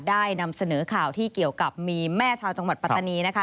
ได้นำเสนอข่าวที่เกี่ยวกับมีแม่ชาวจังหวัดปัตตานีนะคะ